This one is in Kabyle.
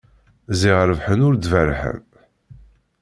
Ziɣ rebḥen ur d-berrḥen.